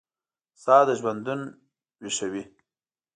ساه دژوندون ویښوي